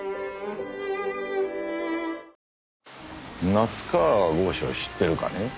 夏河郷士を知ってるかね？